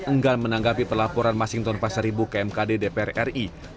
enggan menanggapi pelaporan masing tonggak pasar ribu kmkd dpr ri